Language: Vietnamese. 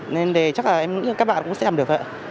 nên đề chắc là em nghĩ các bạn cũng xem được ạ